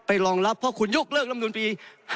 ไปรองรับเพราะขุนยุคเลิกลำนูลปี๕๐